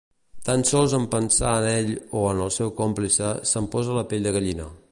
Tan sols en pensar en ell o el seu còmplice se'm posa la pell de gallina.